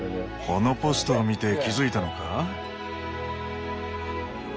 このポストを見て気付いたのか？